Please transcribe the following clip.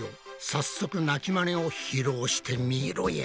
早速鳴きマネを披露してみろや。